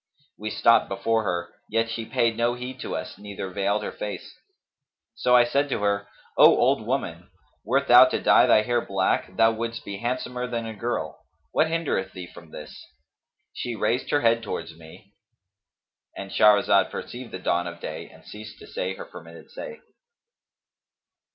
We stopped before her, yet she paid no heed to us neither veiled her face: so I said to her, 'O old woman,[FN#251] wert thou to dye thy hair black, thou wouldst be handsomer than a girl: what hindereth thee from this?' She raised her head towards me"—And Shahrazad perceived the dawn of day and ceased to say her permitted say.